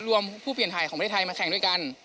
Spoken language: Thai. ผู้เปลี่ยนถ่ายของประเทศไทยมาแข่งด้วยกัน